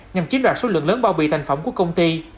nhằm chiến đoạt số lượng lớn bao bị thành phẩm của công ty